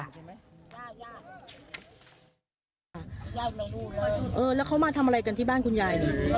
ญายมาดูเลยแล้วเขามาทำอะไรกันที่บ้านคุณยาย